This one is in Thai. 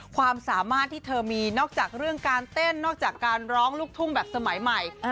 ความสามารถที่เธอมีนอกจากเรื่องการเต้นนอกจากการร้องลูกทุ่งแบบสมัยใหม่